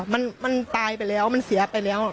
มันตายไปแล้วมันเสียไปแล้ว